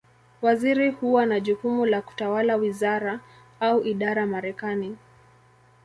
Waziri huwa na jukumu la kutawala wizara, au idara Marekani.